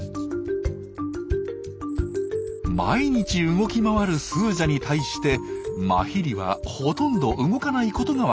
毎日動き回るスージャに対してマヒリはほとんど動かないことがわかります。